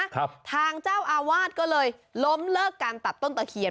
ทางเจ้าอาวาสก็เลยล้มเลิกการตัดต้นตะเคียน